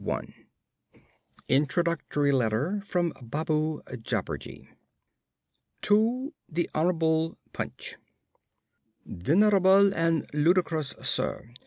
_] INTRODUCTORY LETTER FROM BABOO JABBERJEE. To the Hon'ble Punch. VENERABLE AND LUDICROUS SIR.